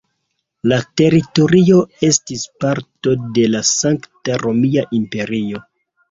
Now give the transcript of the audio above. La teritorio estis parto de la Sankta Romia Imperio.